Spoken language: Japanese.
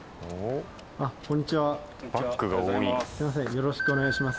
よろしくお願いします。